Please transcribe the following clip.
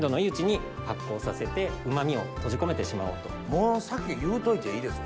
もう先言うといていいですか？